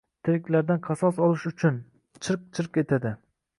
Tiriklardan qasos olish uchun... chirq-chirq etadi.